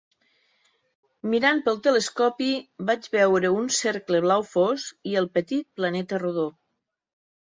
Mirant pel telescopi, vaig veure un cercle blau fosc i el petit planeta rodó.